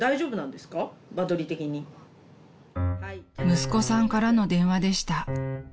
［息子さんからの電話でした］